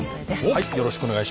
はい。